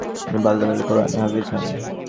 তিনি বাল্যকালেই কোরআন এ হাফেজ হন।